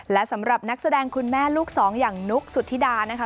และสำหรับนักแสดงคุณแม่ลูกสองอย่างนุ๊กสุธิดานะคะ